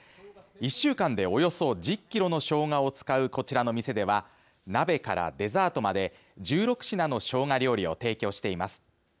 １週間でおよそ１０キロのしょうがを使うこちらの店では鍋からデザートまで１６品のしょうが料理を提供しています。